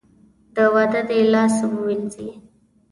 د واده دې لاس ووېنځي .